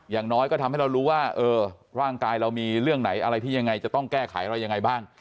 อย่างน้อยก็ทำให้เรารู้ว่าร่างกายเรามีเรื่องไหนอะไรที่ยังไงจะต้องแก้ไขอะไรยังไงบ้าง